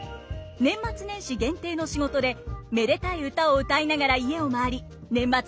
年末年始限定の仕事でめでたい歌を歌いながら家を回り年末を盛り上げます。